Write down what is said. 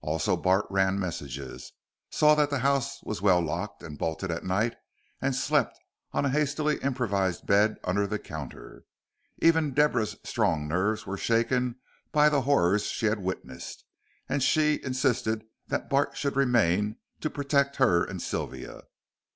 Also Bart ran messages, saw that the house was well locked and bolted at night, and slept on a hastily improvised bed under the counter. Even Deborah's strong nerves were shaken by the horrors she had witnessed, and she insisted that Bart should remain to protect her and Sylvia.